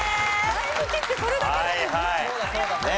前向きってそれだけだもんね。